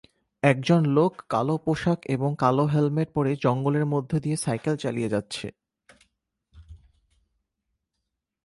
একজন লোক কালো পোশাক এবং কালো হেলমেট পরে জঙ্গলের মধ্যে দিয়ে সাইকেল চালিয়ে যাচ্ছে।